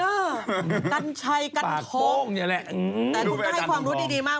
แต่คุณก็ให้ความรู้ได้เรียนมาก